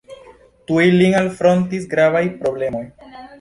Tuj lin alfrontis gravaj problemoj.